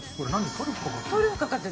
トリュフかかってる。